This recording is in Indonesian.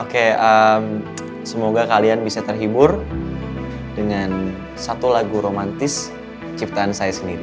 oke semoga kalian bisa terhibur dengan satu lagu romantis ciptaan saya sendiri